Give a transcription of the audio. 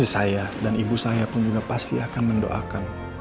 saya dan ibu saya pun juga pasti akan mendoakan